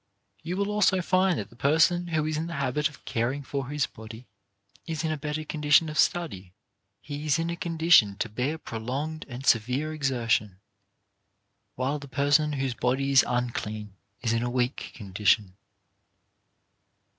You will also find that the person who is in the habit of caring for his body is in a better con dition for study ; he is in a condition to bear pro longed and severe exertion, while the person whose body is unclean is in a weak condition.